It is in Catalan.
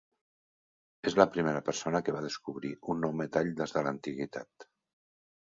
És la primera persona que va descobrir un nou metall des de l'antiguitat.